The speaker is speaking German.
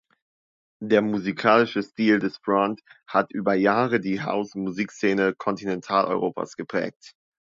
Der musikalische Stil des "Front" hat über Jahre die House-Musikszene Kontinentaleuropas geprägt.